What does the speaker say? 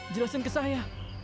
jelasin ke saya